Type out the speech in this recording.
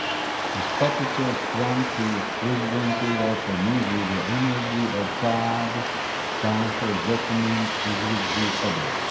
Es paticos Francijas prezidentūrai par milzīgo enerģiju, ar kādu tā šos dokumentus izvirzīja Padomē.